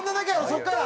そこから？